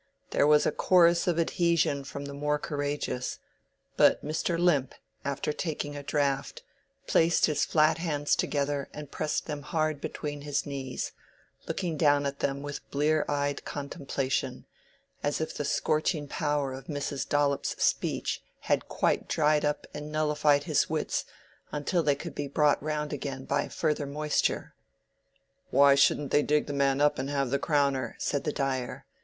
There was a chorus of adhesion from the more courageous; but Mr. Limp, after taking a draught, placed his flat hands together and pressed them hard between his knees, looking down at them with blear eyed contemplation, as if the scorching power of Mrs. Dollop's speech had quite dried up and nullified his wits until they could be brought round again by further moisture. "Why shouldn't they dig the man up and have the Crowner?" said the dyer.